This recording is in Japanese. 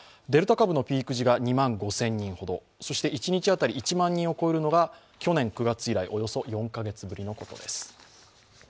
デルタ株のピーク時が２万５０００人ほどそして一日当たり１万人を超えるのが去年９月以来およそ４カ月ぶりのことです。